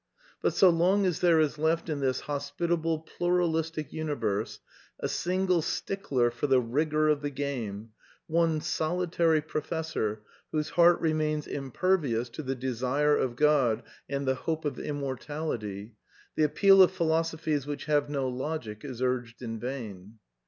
But so long as there is left in this hospitable pluralistic universe a single stickler for the rigour of the game, one solitary professor whose heart remains impervious to the desire of God and the hope of immortality, the appeal of philosophies which have no Logic is urged in vain.